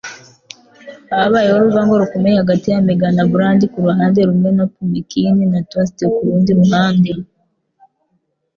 Habayeho urwango rukomeye hagati ya Megan na Brandi kuruhande rumwe na Pumkin na Toastee kurundi ruhande.